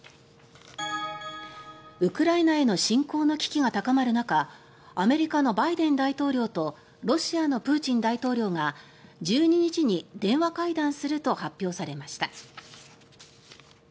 ウクライナへの侵攻の危機が高まる中アメリカのバイデン大統領とロシアのプーチン大統領が１２日に電話会談すると発表されました。